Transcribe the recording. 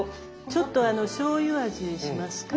ちょっとあのしょうゆ味しますか？